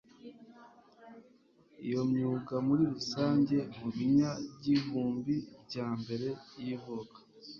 iyo myuga muri rusange mu binyagihumbi bya mbere y ivuka